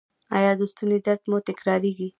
ایا د ستوني درد مو تکراریږي؟